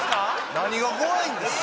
何が怖いんですか？